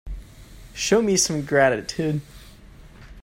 Show me some gratitude.